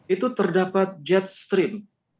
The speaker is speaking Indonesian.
itu terdapat jet stream